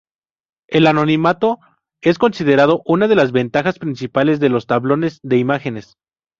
El anonimato es considerado una de las ventajas principales de los tablones de imágenes.